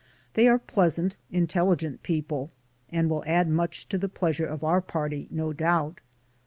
They are pleasant, intelligent people, and will add much to the pleasure of our party, no doubt.